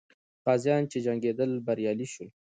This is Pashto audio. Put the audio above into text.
غازیان چې جنګېدل، بریالي سول.